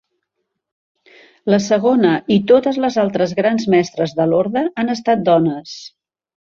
La segona, i totes les altres grans mestres de l'orde, han estat dones.